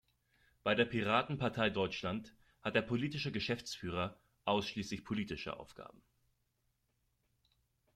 Bei der Piratenpartei Deutschland hat der politische Geschäftsführer ausschließlich politische Aufgaben.